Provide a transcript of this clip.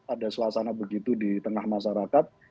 ada suasana begitu di tengah masyarakat